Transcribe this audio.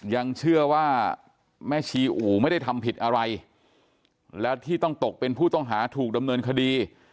ยังเชื่อว่าแม่ชีอู่ไม่ได้ทำผิดอะไรแล้วที่ต้องตกเป็นผู้ต้องหาถูกดำเนินคดี